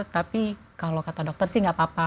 tapi kalau kata dokter sih nggak apa apa